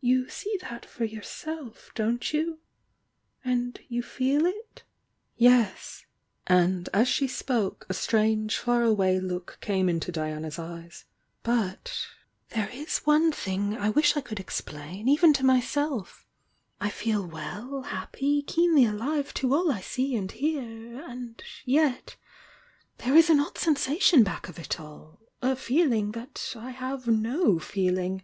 You see that for yourself, don't you? — and you feel it?" "Yes." .*nd, as she spoke, a strange, far away look came into Diana's eyes. "But — there is one 246 THE YOUNG DIANA I. thing I wish I could explain, even to myself I I feel well, happy, keenly alive to all I see and hear,— and yet— there is an odd sensation back of it all! — a feeling that I have no feeling!"